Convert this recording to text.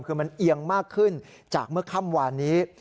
คือมันเอียงมากขึ้นจากเมื่อค่ำวานนี้